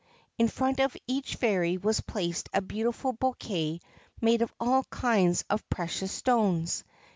In front of each fairy was placed a beautiful bouquet made of all kinds of precious stones.